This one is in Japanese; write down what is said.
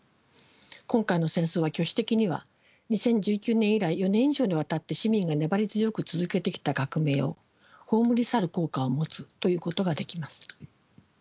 今回の戦争は巨視的には２０１９年以来４年以上にわたって市民が粘り強く続けてきた革命を葬り去る効果を持つと言うことができます。